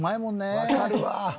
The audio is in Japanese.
わかるわ。